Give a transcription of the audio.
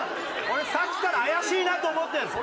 俺さっきから怪しいなと思って。